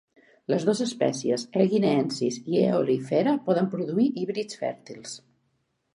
Les dos espècies, "E. guineensis" i "E. oleifera" poden produir híbrids fèrtils.